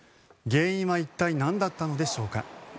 原因は一体、何だったんでしょうか。